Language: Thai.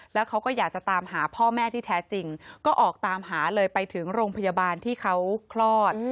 แล้วเขาก็อยากจะตามหาพ่อแม่ที่แท้จริงก็ออกตามหาเลยไปถึงโรงพยาบาลที่เขาคลอด